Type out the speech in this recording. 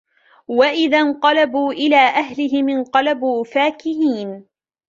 وَإِذَا انْقَلَبُوا إِلَى أَهْلِهِمُ انْقَلَبُوا فَكِهِينَ